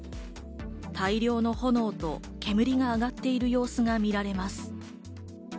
大量の炎と煙が上がっている様子が見られます。